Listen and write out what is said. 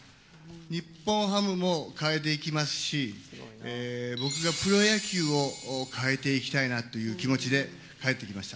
日本ハムも変えていきますし、僕がプロ野球を変えていきたいなという気持ちで、帰ってきました。